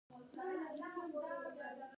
چنګلونه د افغان ماشومانو د زده کړې موضوع ده.